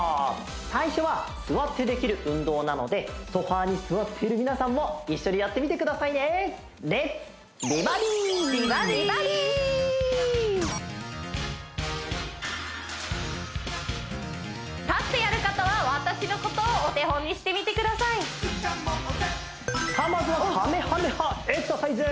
最初は座ってできる運動なのでソファーに座っている皆さんも一緒にやってみてくださいね立ってやる方は私のことをお手本にしてみてくださいさあまずはかめはめ波エクササイズ